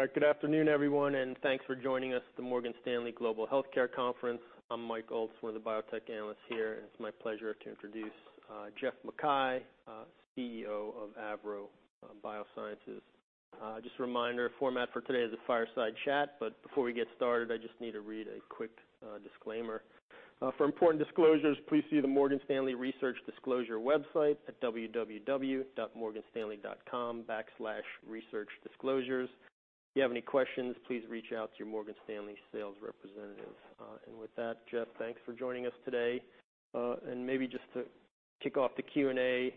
All right. Good afternoon, everyone, and thanks for joining us at the Morgan Stanley Global Healthcare Conference. I'm Mike Ulz, one of the biotech analysts here, and it's my pleasure to introduce Geoff MacKay, CEO of AVROBIO. Just a reminder, format for today is a fireside chat, but before we get started, I just need to read a quick disclaimer. For important disclosures, please see the Morgan Stanley research disclosure website at www.morganstanley.com/researchdisclosures. If you have any questions, please reach out to your Morgan Stanley sales representative. With that, Jeff, thanks for joining us today. Maybe just to kick off the Q&A,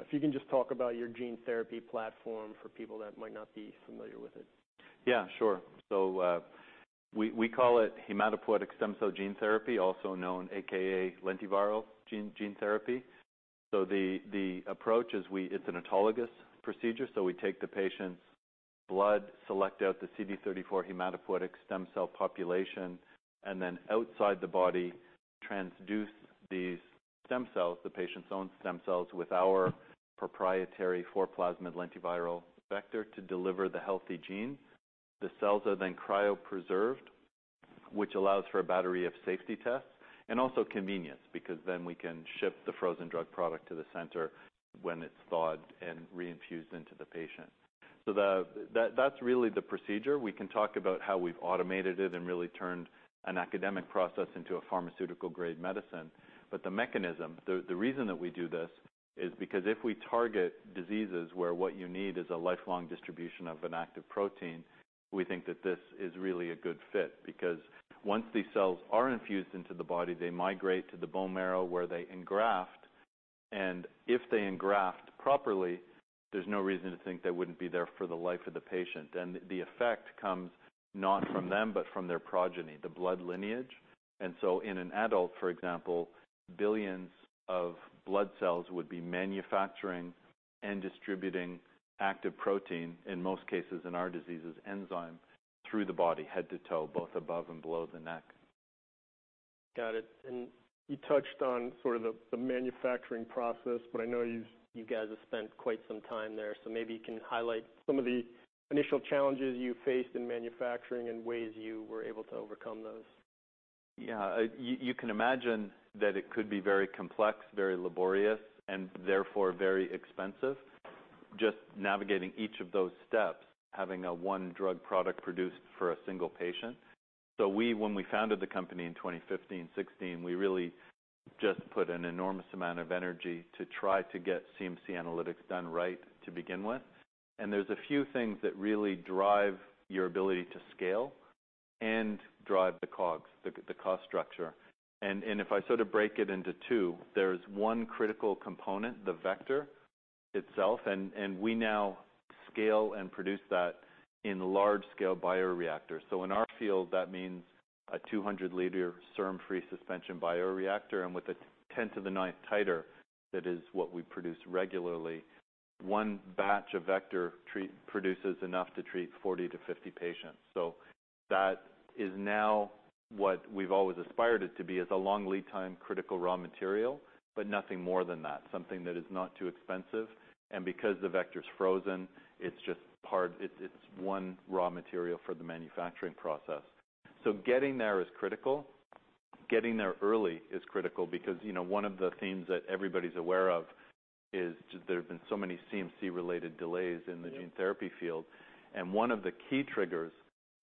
if you can just talk about your gene therapy platform for people that might not be familiar with it. Yeah, sure. We call it hematopoietic stem cell gene therapy, also known, aka lentiviral gene therapy. The approach is it's an autologous procedure, so we take the patient's blood, select out the CD34 hematopoietic stem cell population, and then outside the body, transduce these stem cells, the patient's own stem cells, with our proprietary four-plasmid lentiviral vector to deliver the healthy gene. The cells are then cryopreserved, which allows for a battery of safety tests and also convenience, because then we can ship the frozen drug product to the center when it's thawed and reinfused into the patient. That's really the procedure. We can talk about how we've automated it and really turned an academic process into a pharmaceutical-grade medicine. The mechanism, the reason that we do this is because if we target diseases where what you need is a lifelong distribution of an active protein, we think that this is really a good fit. Once these cells are infused into the body, they migrate to the bone marrow, where they engraft. If they engraft properly, there's no reason to think they wouldn't be there for the life of the patient. The effect comes not from them, but from their progeny, the blood lineage. In an adult, for example, billions of blood cells would be manufacturing and distributing active protein, in most cases, in our diseases, enzyme, through the body, head to toe, both above and below the neck. Got it. You touched on sort of the manufacturing process, but I know you've, you guys have spent quite some time there. Maybe you can highlight some of the initial challenges you faced in manufacturing and ways you were able to overcome those. Yeah. You can imagine that it could be very complex, very laborious, and therefore very expensive just navigating each of those steps, having a one drug product produced for a single patient. We, when we founded the company in 2015, 2016, really just put an enormous amount of energy to try to get CMC analytics done right to begin with. There's a few things that really drive your ability to scale and drive the COGS, the cost structure. If I sort of break it into two, there's one critical component, the vector itself, and we now scale and produce that in large-scale bioreactors. In our field, that means a 200-liter serum-free suspension bioreactor. With 10 to the 9th titer, that is what we produce regularly. One batch of vector produces enough to treat 40-50 patients. That is now what we've always aspired it to be, is a long lead time critical raw material, but nothing more than that, something that is not too expensive. Because the vector's frozen, it's just part. It's one raw material for the manufacturing process. Getting there is critical. Getting there early is critical because, one of the themes that everybody's aware of is, there have been so many CMC-related delays in the Yeah Gene therapy field. One of the key triggers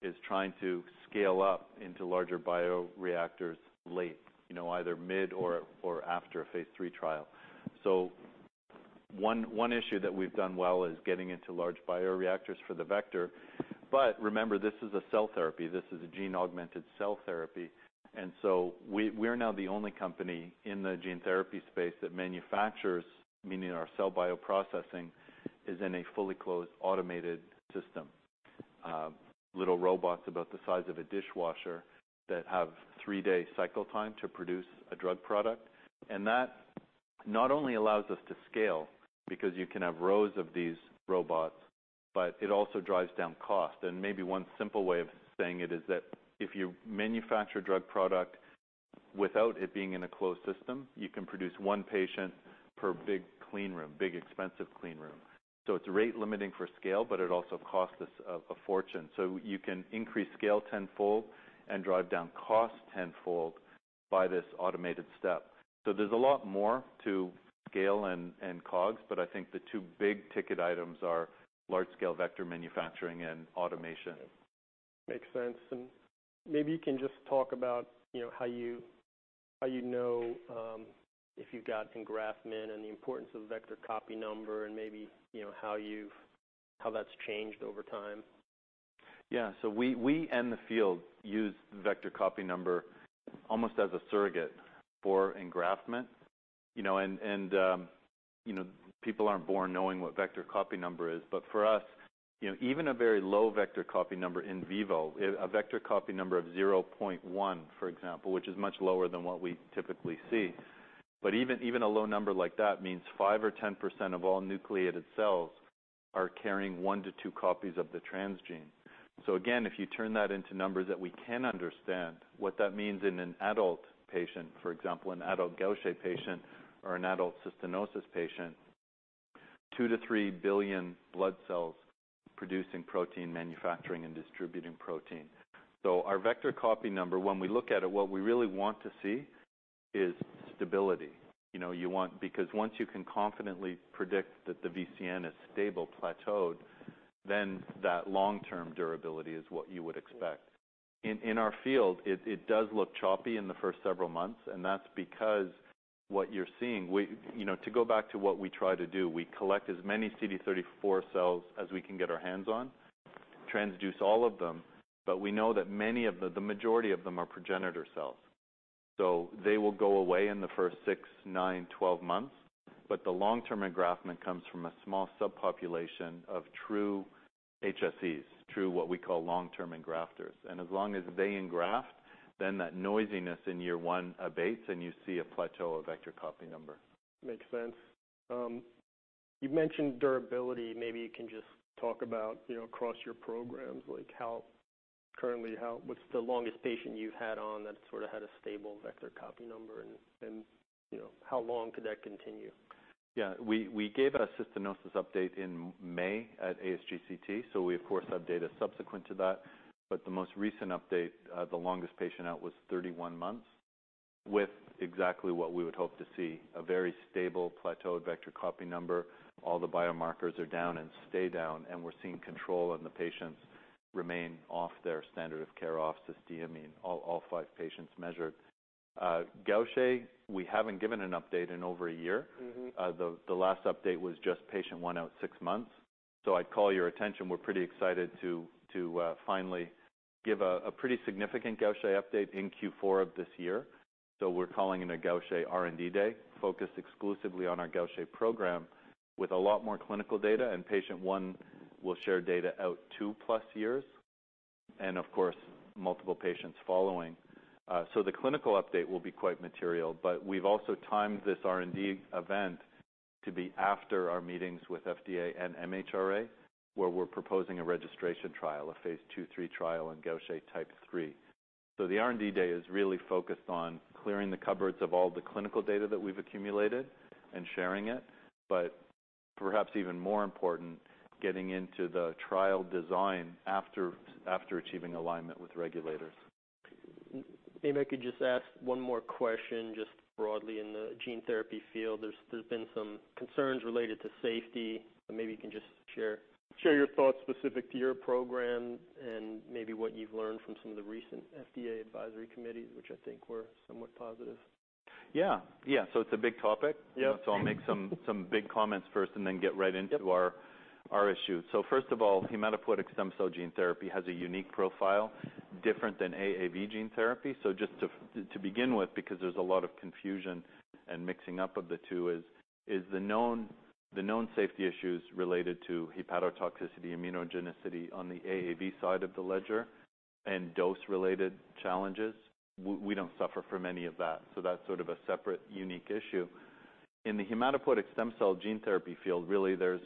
is trying to scale up into larger bioreactors late, either mid or after a phase three trial. One issue that we've done well is getting into large bioreactors for the vector. Remember, this is a cell therapy. This is a gene-augmented cell therapy. We're now the only company in the gene therapy space that manufactures, meaning our cell bioprocessing is in a fully closed, automated system. Little robots about the size of a dishwasher that have three-day cycle time to produce a drug product. That not only allows us to scale, because you can have rows of these robots, but it also drives down cost. Maybe one simple way of saying it is that if you manufacture drug product without it being in a closed system, you can produce one patient per big clean room, big expensive clean room. It's rate limiting for scale, but it also costs us a fortune. You can increase scale tenfold and drive down cost tenfold by this automated step. There's a lot more to scale and COGS, but I think the two big-ticket items are large-scale vector manufacturing and automation. Makes sense. Maybe you can just talk about, how if you've got engraftment and the importance of vector copy number and maybe, how that's changed over time. Yeah. We in the field use vector copy number almost as a surrogate for engraftment. People aren't born knowing what vector copy number is. But for us, even a very low vector copy number in vivo, vector copy number of 0.1, for example, which is much lower than what we typically see. But even a low number like that means 5% or 10% of all nucleated cells are carrying 1-2 copies of the transgene. Again, if you turn that into numbers that we can understand, what that means in an adult patient, for example, an adult Gaucher patient or an adult cystinosis patient. 2-3 billion blood cells producing protein, manufacturing and distributing protein. Our vector copy number, when we look at it, what we really want to see is stability. You want because once you can confidently predict that the VCN is stable, plateaued, then that long-term durability is what you would expect. In our field, it does look choppy in the first several months, and that's because what you're seeing. To go back to what we try to do, we collect as many CD34 cells as we can get our hands on, transduce all of them, but we know that many of the majority of them are progenitor cells. They will go away in the first 6, 9, 12 months. The long-term engraftment comes from a small subpopulation of true HSCs, what we call long-term engrafters. As long as they engraft, then that noisiness in year one abates and you see a plateau of vector copy number. Makes sense. You've mentioned durability. Maybe you can just talk about, across your programs, like currently, what's the longest patient you've had on that sort of had a stable vector copy number and, how long could that continue? Yeah. We gave a cystinosis update in May at ASGCT, so we of course have data subsequent to that. But the most recent update, the longest patient out was 31 months, with exactly what we would hope to see, a very stable plateaued vector copy number. All the biomarkers are down and stay down. We're seeing control, and the patients remain off their standard of care, off cysteamine, all five patients measured. Gaucher, we haven't given an update in over a year. Mm-hmm. The last update was just Patient 1 out 6 months. I'd call your attention. We're pretty excited to finally give a pretty significant Gaucher update in Q4 of this year. We're calling it a Gaucher R&D Day, focused exclusively on our Gaucher program with a lot more clinical data. Patient 1 will share data out 2+ years and of course, multiple patients following. The clinical update will be quite material. We've also timed this R&D event to be after our meetings with FDA and MHRA, where we're proposing a registration trial, a Phase 2/3 trial in Gaucher Type 3. The R&D Day is really focused on clearing the cupboards of all the clinical data that we've accumulated and sharing it. Perhaps even more important, getting into the trial design after achieving alignment with regulators. Maybe I could just ask one more question, just broadly in the gene therapy field. There's been some concerns related to safety, so maybe you can just share your thoughts specific to your program and maybe what you've learned from some of the recent FDA advisory committees, which I think were somewhat positive. Yeah, so it's a big topic. Yeah. I'll make some big comments first and then get right into- Yep Our issue. First of all, hematopoietic stem cell gene therapy has a unique profile different than AAV gene therapy. Just to begin with, because there's a lot of confusion and mixing up of the two, the known safety issues related to hepatotoxicity, immunogenicity on the AAV side of the ledger and dose-related challenges, we don't suffer from any of that. That's sort of a separate unique issue. In the hematopoietic stem cell gene therapy field, really there's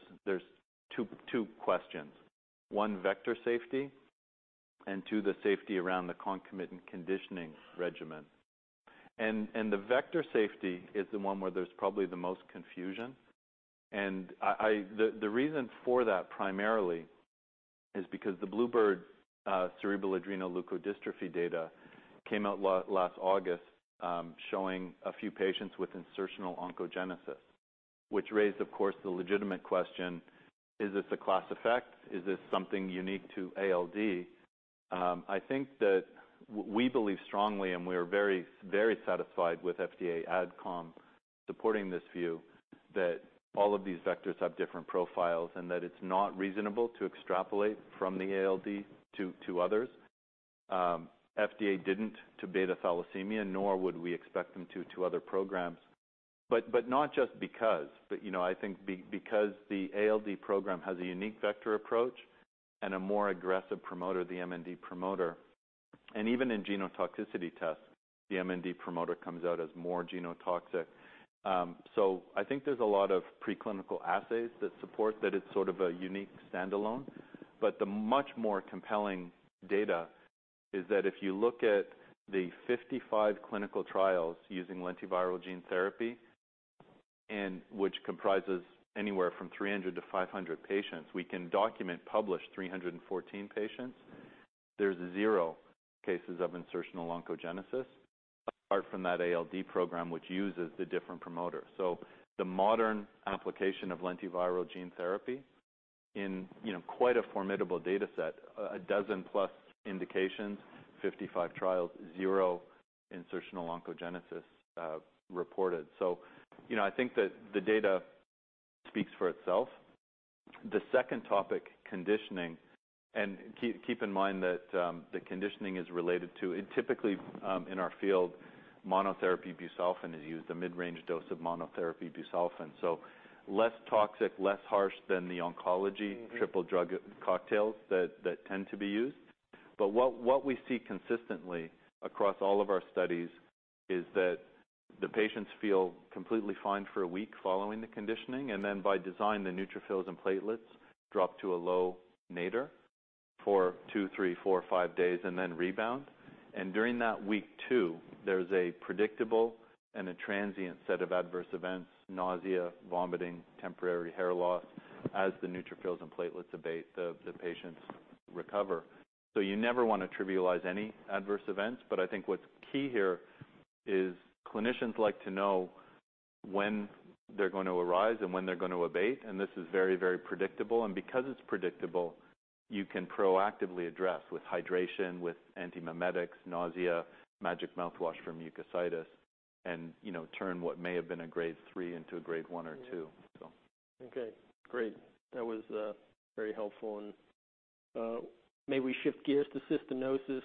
two questions. One, vector safety, and two, the safety around the concomitant conditioning regimen. The vector safety is the one where there's probably the most confusion. The reason for that primarily is because the bluebird bio cerebral adrenoleukodystrophy data came out last August, showing a few patients with insertional oncogenesis, which raised, of course, the legitimate question, is this a class effect? Is this something unique to ALD? I think that we believe strongly, and we are very, very satisfied with FDA adcom supporting this view, that all of these vectors have different profiles, and that it's not reasonable to extrapolate from the ALD to others. FDA didn't to beta thalassemia, nor would we expect them to other programs. Not just because. I think because the ALD program has a unique vector approach and a more aggressive promoter, the MND promoter. Even in genotoxicity tests, the MND promoter comes out as more genotoxic. I think there's a lot of preclinical assays that support that it's sort of a unique standalone. But the much more compelling data is that if you look at the 55 clinical trials using lentiviral gene therapy, and which comprises anywhere from 300-500 patients, we can document, publish 314 patients. There's zero cases of insertional oncogenesis apart from that ALD program, which uses the different promoter. The modern application of lentiviral gene therapy in, quite a formidable dataset, a dozen-plus indications, 55 trials, zero insertional oncogenesis, reported. I think that the data speaks for itself. The second topic, conditioning. Keep in mind that the conditioning is related to. Typically, in our field, monotherapy busulfan is used, a mid-range dose of monotherapy busulfan. Less toxic, less harsh than the oncology. Mm-hmm Triple drug cocktails that tend to be used. What we see consistently across all of our studies is that the patients feel completely fine for a week following the conditioning, and then by design, the neutrophils and platelets drop to a low nadir. For 2, 3, 4, 5 days and then rebound. During that week 2, there's a predictable and a transient set of adverse events, nausea, vomiting, temporary hair loss, as the neutrophils and platelets abate, the patients recover. You never wanna trivialize any adverse events, but I think what's key here is clinicians like to know when they're going to arise and when they're going to abate, and this is very, very predictable. Because it's predictable, you can proactively address with hydration, with antiemetics, nausea, magic mouthwash for mucositis, and, turn what may have been a grade three into a grade one or two. Yeah. So. Okay, great. That was very helpful. May we shift gears to cystinosis?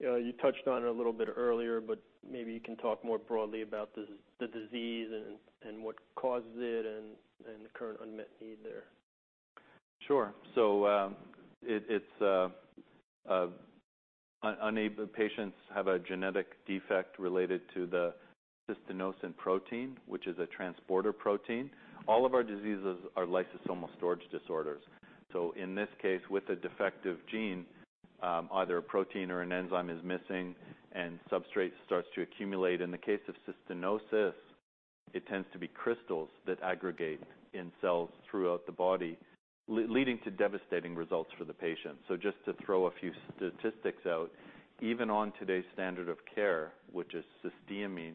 You touched on it a little bit earlier, but maybe you can talk more broadly about the disease and what causes it and the current unmet need there. Cystinosis patients have a genetic defect related to the cystinosin protein, which is a transporter protein. All of our diseases are lysosomal storage disorders. In this case, with a defective gene, either a protein or an enzyme is missing and substrate starts to accumulate. In the case of cystinosis, it tends to be crystals that aggregate in cells throughout the body leading to devastating results for the patient. Just to throw a few statistics out, even on today's standard of care, which is cysteamine,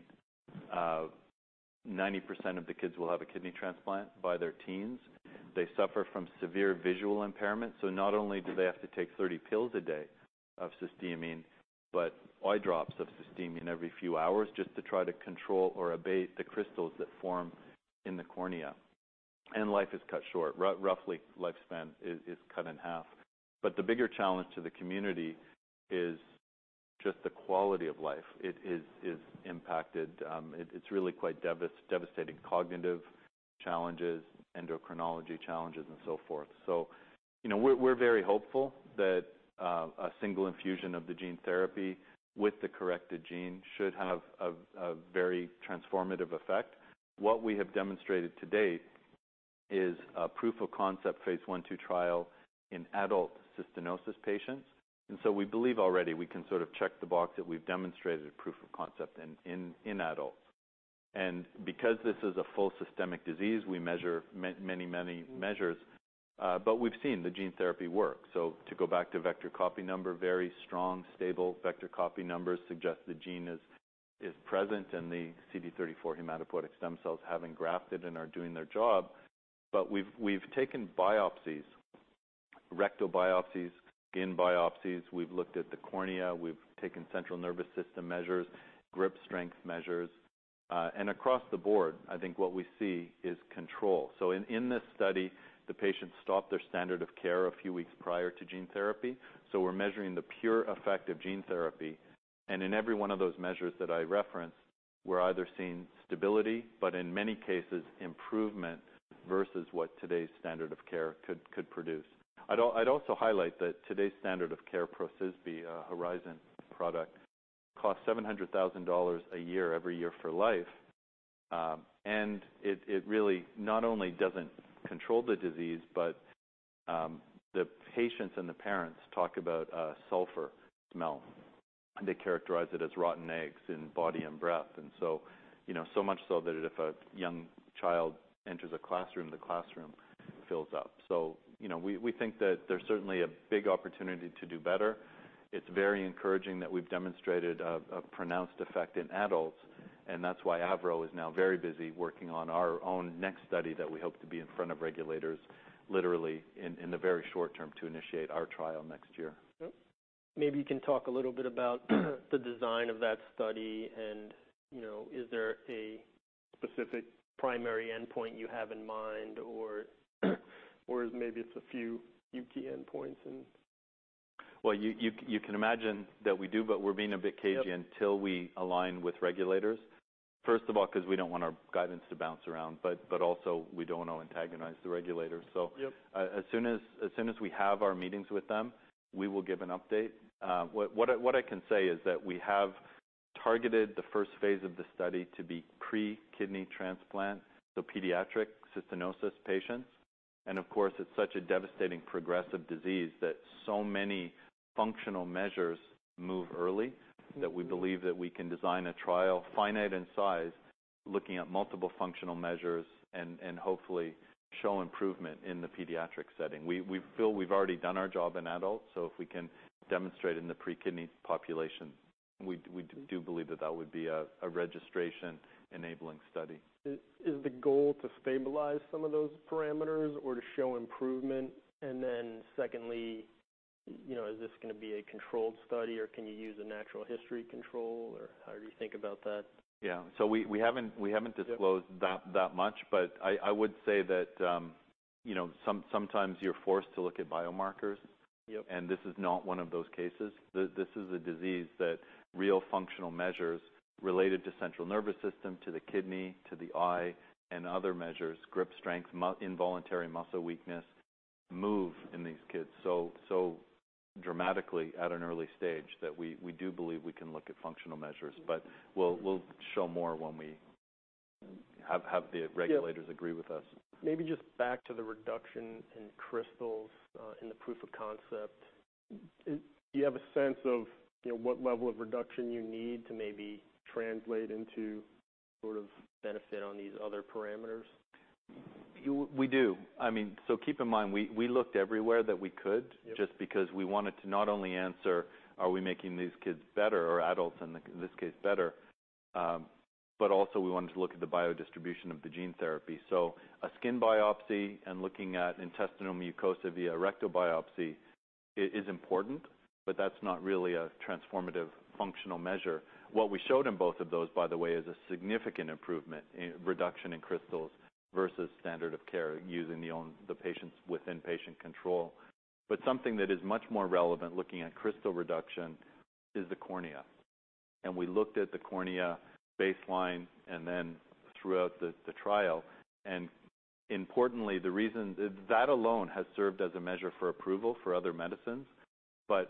90% of the kids will have a kidney transplant by their teens. They suffer from severe visual impairment, so not only do they have to take 30 pills a day of cysteamine, but eye drops of cysteamine every few hours just to try to control or abate the crystals that form in the cornea. Life is cut short. Roughly, lifespan is cut in half. The bigger challenge to the community is just the quality of life. It is impacted, it's really quite devastating. Cognitive challenges, endocrinology challenges, and so forth. We're very hopeful that a single infusion of the gene therapy with the corrected gene should have a very transformative effect. What we have demonstrated to date is a proof of concept phase 1/2 trial in adult cystinosis patients. We believe already we can sort of check the box that we've demonstrated proof of concept in adults. Because this is a full systemic disease, we measure many measures, but we've seen the gene therapy work. To go back to vector copy number, very strong, stable vector copy numbers suggest the gene is present in the CD34 hematopoietic stem cells having grafted and are doing their job. We've taken biopsies, rectal biopsies, skin biopsies, we've looked at the cornea, we've taken central nervous system measures, grip strength measures, and across the board, I think what we see is control. In this study, the patients stopped their standard of care a few weeks prior to gene therapy. We're measuring the pure effect of gene therapy. In every one of those measures that I referenced, we're either seeing stability, but in many cases, improvement versus what today's standard of care could produce. I'd also highlight that today's standard of care PROCYSBI, Horizon product costs $700,000 a year every year for life. It really not only doesn't control the disease, but the patients and the parents talk about a sulfur smell. They characterize it as rotten eggs in body and breath. So much so that if a young child enters a classroom, the classroom fills up. We think that there's certainly a big opportunity to do better. It's very encouraging that we've demonstrated a pronounced effect in adults, and that's why AVROBIO is now very busy working on our own next study that we hope to be in front of regulators, literally in the very short term to initiate our trial next year. Yep. Maybe you can talk a little bit about the design of that study and, is there a specific primary endpoint you have in mind or is it maybe a few key endpoints? Well, you can imagine that we do, but we're being a bit cagey. Yep until we align with regulators. First of all, 'cause we don't want our guidance to bounce around, but also we don't wanna antagonize the regulators. Yep As soon as we have our meetings with them, we will give an update. What I can say is that we have targeted the first phase of the study to be pre-kidney transplant, so pediatric cystinosis patients. Of course, it's such a devastating progressive disease that so many functional measures move early, that we believe that we can design a trial finite in size, looking at multiple functional measures and hopefully show improvement in the pediatric setting. We feel we've already done our job in adults, so if we can demonstrate in the pre-kidney population, we do believe that that would be a registration enabling study. Is the goal to stabilize some of those parameters or to show improvement? Secondly, is this going to be a controlled study or can you use a natural history control? Or how do you think about that? Yeah. We haven't disclosed that much, but I would say that, sometimes you're forced to look at biomarkers. Yep. This is not one of those cases. This is a disease that real functional measures related to central nervous system, to the kidney, to the eye, and other measures, grip strength, involuntary muscle weakness, move in these kids so dramatically at an early stage that we do believe we can look at functional measures. We'll show more when we have the regulators agree with us. Yeah. Maybe just back to the reduction in crystals in the proof of concept. Do you have a sense of, what level of reduction you need to maybe translate into sort of benefit on these other parameters? We do. keep in mind, we looked everywhere that we could. Yep Just because we wanted to not only answer are we making these kids better or adults in this case better, but also we wanted to look at the biodistribution of the gene therapy. A skin biopsy and looking at intestinal mucosa via rectal biopsy is important, but that's not really a transformative functional measure. What we showed in both of those, by the way, is a significant improvement in reduction in crystals versus standard of care using within-patient control. Something that is much more relevant looking at crystal reduction is the cornea. We looked at the cornea baseline and then throughout the trial. Importantly, that alone has served as a measure for approval for other medicines.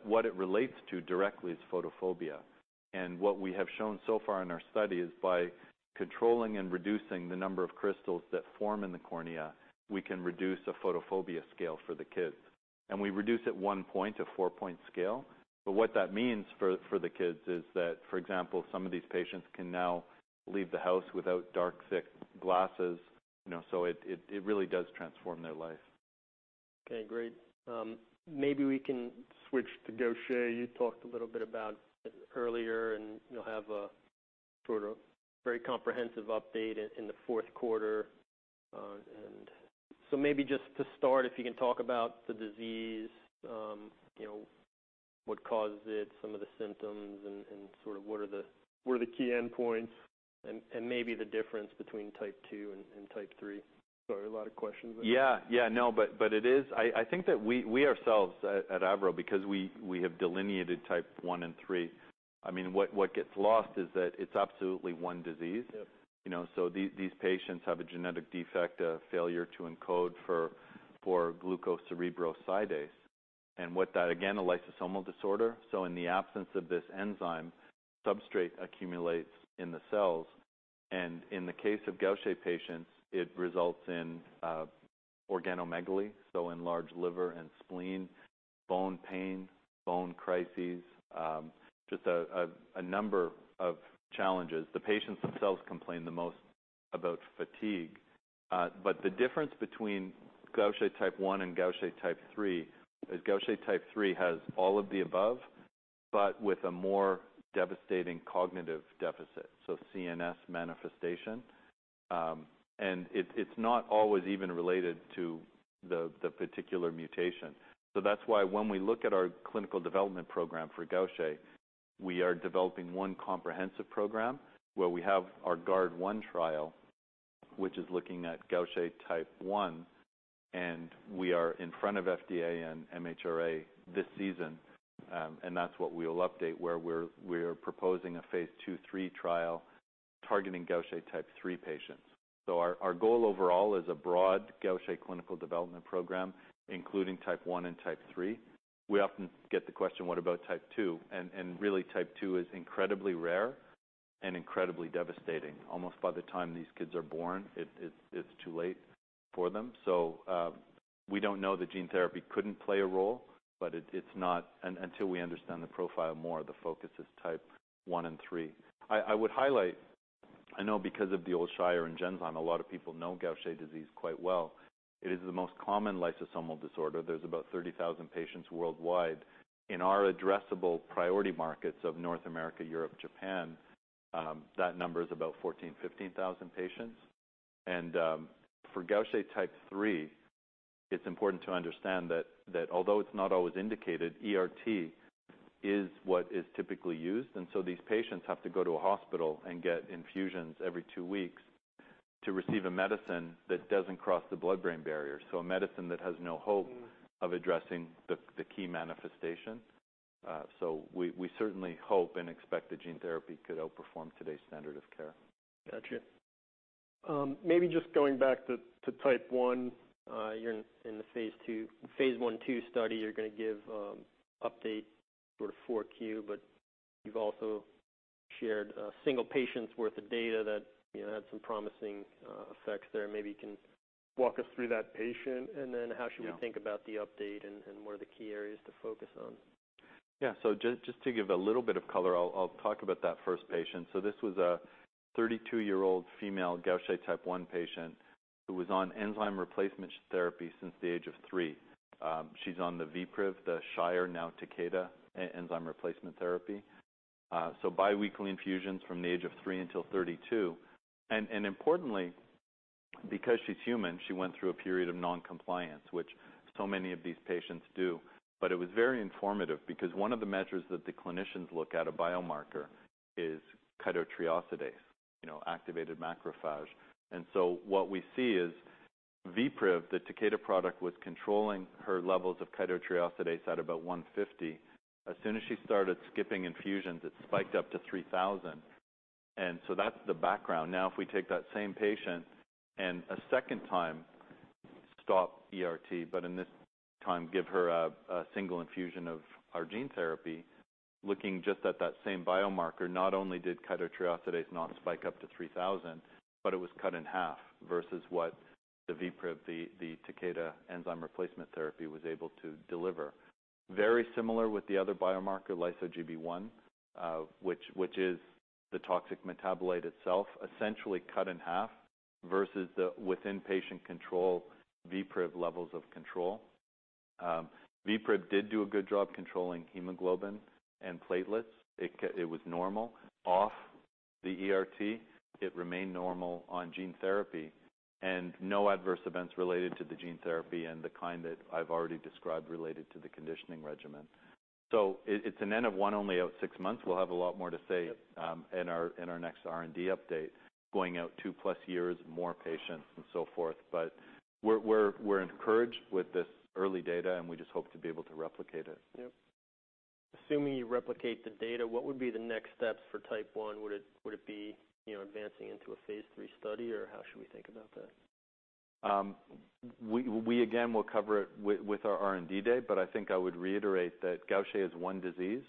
What it relates to directly is photophobia. What we have shown so far in our study is by controlling and reducing the number of crystals that form in the cornea, we can reduce the photophobia scale for the kids. We reduce it 1 point, a 4-point scale. What that means for the kids is that, for example, some of these patients can now leave the house without dark thick glasses, so it really does transform their life. Okay, great. Maybe we can switch to Gaucher. You talked a little bit about it earlier, and you'll have a sort of very comprehensive update in the fourth quarter. Maybe just to start, if you can talk about the disease, what causes it, some of the symptoms, and sort of what are the key endpoints and maybe the difference between Type 2 and Type 3. Sorry, a lot of questions there. Yeah. No, but it is. I think that we ourselves at AVROBIO, because we have delineated Type 1 and 3 what gets lost is that it's absolutely one disease. Yep. These patients have a genetic defect of failure to encode for glucocerebrosidase. What that again, a lysosomal disorder. In the absence of this enzyme, substrate accumulates in the cells, and in the case of Gaucher patients, it results in organomegaly, so enlarged liver and spleen, bone pain, bone crises, just a number of challenges. The patients themselves complain the most about fatigue. The difference between Gaucher Type 1 and Gaucher Type 3 is Gaucher Type 3 has all of the above, but with a more devastating cognitive deficit, so CNS manifestation. It's not always even related to the particular mutation. That's why when we look at our clinical development program for Gaucher, we are developing one comprehensive program where we have our Guard1 trial, which is looking at Gaucher Type 1, and we are in front of FDA and MHRA this season. That's what we will update, where we're proposing a Phase 2/3 trial targeting Gaucher Type 3 patients. Our goal overall is a broad Gaucher clinical development program, including Type 1 and Type 3. We often get the question, what about Type 2? Really Type 2 is incredibly rare and incredibly devastating. Almost by the time these kids are born, it's too late for them. We don't know that gene therapy couldn't play a role, but it's not until we understand the profile more, the focus is Type 1 and 3. I would highlight, I know because of the old Shire and Genzyme, a lot of people know Gaucher disease quite well. It is the most common lysosomal disorder. There are about 30,000 patients worldwide. In our addressable priority markets of North America, Europe, Japan, that number is about 14,000-15,000 patients. For Gaucher Type 3, it is important to understand that although it is not always indicated, ERT is what is typically used. These patients have to go to a hospital and get infusions every 2 weeks to receive a medicine that does not cross the blood-brain barrier. A medicine that has no hope. Mm.... of addressing the key manifestation. We certainly hope and expect that gene therapy could outperform today's standard of care. Gotcha. Maybe just going back to Type 1, you're in the Phase 1/2 study. You're going to give update sort of 4Q, but you've also shared a single patient's worth of data that, had some promising effects there. Maybe you can walk us through that patient and then how should we- Yeah. think about the update and what are the key areas to focus on? Yeah. Just to give a little bit of color, I'll talk about that first patient. This was a 32-year-old female Gaucher Type 1 patient who was on enzyme replacement therapy since the age of 3. She's on the VPRIV, the Shire now Takeda enzyme replacement therapy. Biweekly infusions from the age of 3 until 32. Importantly, because she's human, she went through a period of noncompliance, which so many of these patients do. It was very informative because one of the measures that the clinicians look at, a biomarker, is chitotriosidase, activated macrophage. What we see is VPRIV, the Takeda product, was controlling her levels of chitotriosidase at about 150. As soon as she started skipping infusions, it spiked up to 3,000. That's the background. Now, if we take that same patient and a second time stop ERT, but in this time give her a single infusion of our gene therapy. Looking just at that same biomarker, not only did chitotriosidase not spike up to 3,000, but it was cut in half versus what the VPRIV, the Takeda enzyme replacement therapy was able to deliver. Very similar with the other biomarker, lyso-Gb1, which is the toxic metabolite itself, essentially cut in half versus the within-patient control VPRIV levels of control. VPRIV did do a good job controlling hemoglobin and platelets. It was normal off the ERT. It remained normal on gene therapy, and no adverse events related to the gene therapy and the kind that I've already described related to the conditioning regimen. It's an N of one only out six months. We'll have a lot more to say in our next R&D update, going out 2+ years, more patients and so forth. We're encouraged with this early data, and we just hope to be able to replicate it. Yep. Assuming you replicate the data, what would be the next steps for Type 1? Would it be, advancing into a phase 3 study, or how should we think about that? We again will cover it with our R&D day, but I think I would reiterate that Gaucher is one disease,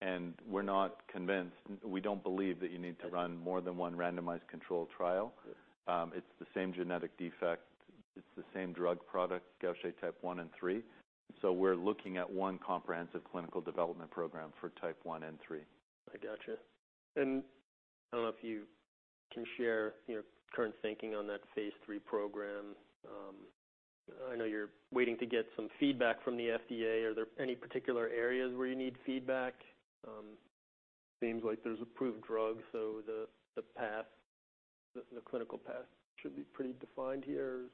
and we're not convinced and we don't believe that you need to run more than one randomized control trial. Sure. It's the same genetic defect. It's the same drug product, Gaucher Type 1 and 3. We're looking at one comprehensive clinical development program for Type 1 and 3. I gotcha. I don't know if you can share your current thinking on that phase three program. I know you're waiting to get some feedback from the FDA. Are there any particular areas where you need feedback? Seems like there's approved drugs, so the clinical path should be pretty defined here.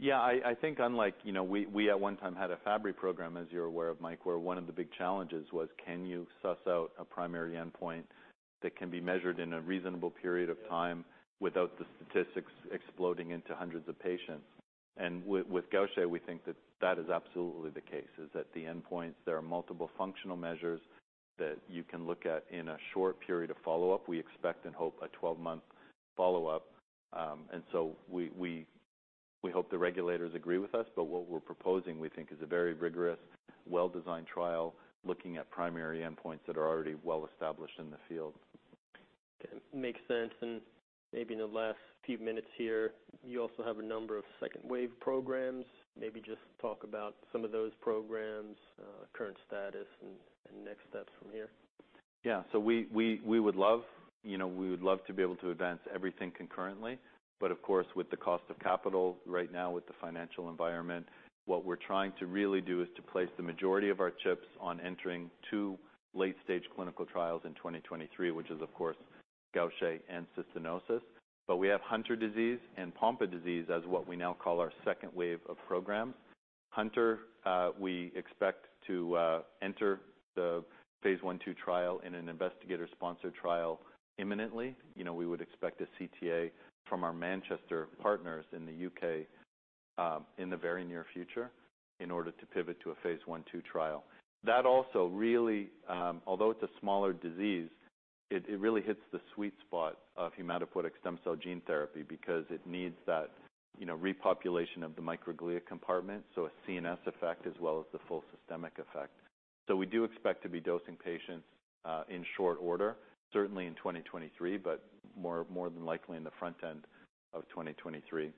Yeah, I think unlike, we at one time had a Fabry program, as you're aware of, Mike, where one of the big challenges was can you suss out a primary endpoint that can be measured in a reasonable period of time. Yeah... without the statistics exploding into hundreds of patients. With Gaucher, we think that is absolutely the case, that the endpoints there are multiple functional measures that you can look at in a short period of follow-up. We expect and hope a 12-month follow-up. We hope the regulators agree with us, but what we're proposing, we think, is a very rigorous, well-designed trial looking at primary endpoints that are already well established in the field. Makes sense. Maybe in the last few minutes here, you also have a number of second wave programs. Maybe just talk about some of those programs, current status and next steps from here. Yeah. We would love, to be able to advance everything concurrently. Of course, with the cost of capital right now, with the financial environment, what we're trying to really do is to place the majority of our chips on entering two late-stage clinical trials in 2023, which is of course, Gaucher and cystinosis. We have Hunter syndrome and Pompe disease as what we now call our second wave of programs. Hunter, we expect to enter the phase 1/2 trial in an investigator-sponsored trial imminently. We would expect a CTA from our Manchester partners in the UK, in the very near future in order to pivot to a phase 1/2 trial. That also really, although it's a smaller disease, it really hits the sweet spot of hematopoietic stem cell gene therapy because it needs that, repopulation of the microglia compartment, so a CNS effect as well as the full systemic effect. We do expect to be dosing patients in short order, certainly in 2023, but more than likely in the front end of 2023.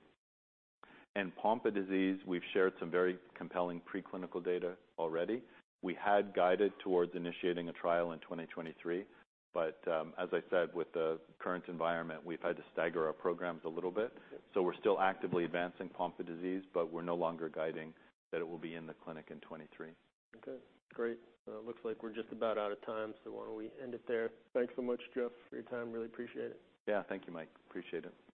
Pompe disease, we've shared some very compelling preclinical data already. We had guided towards initiating a trial in 2023, but, as I said, with the current environment, we've had to stagger our programs a little bit. Yep. We're still actively advancing Pompe disease, but we're no longer guiding that it will be in the clinic in 2023. Okay, great. It looks like we're just about out of time, so why don't we end it there? Thanks so much, Geoff, for your time. Really appreciate it. Yeah, thank you, Mike. Appreciate it. Thank you.